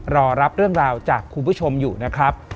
รอรับเรื่องราวจากคุณผู้ชมอยู่นะครับ